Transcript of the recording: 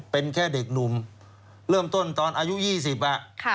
เป็นแค่เด็กหนุ่มเริ่มต้นตอนอายุ๒๐อ่ะ